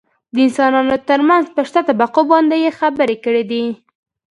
دانسانانو ترمنځ په شته طبقو باندې يې خبرې کړي دي .